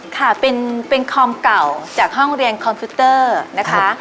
ค่ะเป็นคอมเก่าจากห้องเรียนคอมพิวเตอร์นะคะ